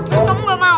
terus kamu gak mau